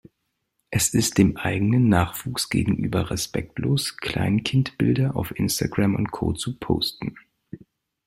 Es ist dem eigenen Nachwuchs gegenüber respektlos, Kleinkindbilder auf Instagram und Co. zu posten.